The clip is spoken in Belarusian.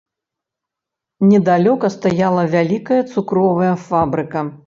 Недалёка стаяла вялікая цукровая фабрыка.